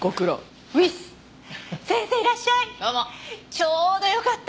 ちょうどよかった！